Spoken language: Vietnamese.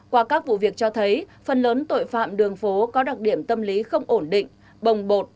qua các vụ việc cho thấy phần lớn tội phạm đường phố có đặc điểm tâm lý không ổn định bồng bột